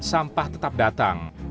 sampah tetap datang